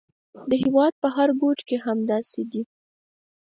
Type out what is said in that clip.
د هېواد په هر ګوټ کې همداسې دي.